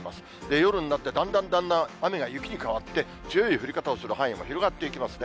夜になって、だんだんだんだん雨が雪に変わって、強い降り方をする範囲も広がっていきますね。